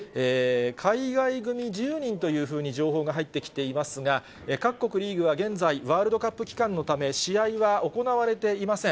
海外組１０人というふうに情報が入ってきていますが、各国リーグは現在、ワールドカップ期間のため、試合は行われていません。